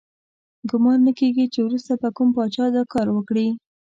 ګمان نه کیږي چې وروسته به کوم پاچا دا کار وکړي.